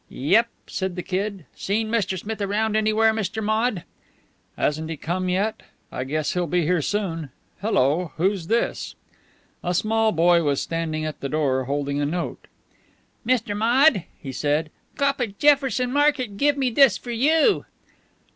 "Yep," said the Kid. "Seen Mr. Smith around anywhere, Mr. Maude?" "Hasn't he come yet? I guess he'll be here soon. Hello, who's this?" A small boy was standing at the door, holding a note. "Mr. Maude?" he said. "Cop at Jefferson Market give me dis fer you."